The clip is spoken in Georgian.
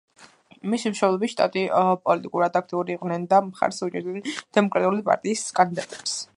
მისი მშობლები შტატი პოლიტიკურად აქტიურები იყვნენ და მხარს უჭერდნენ დემოკრატიული პარტიის კანდიდატებს.